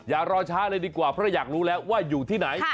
อย่ารอช้าเลยดีกว่าเพราะอยากรู้แล้วว่าอยู่ที่ไหน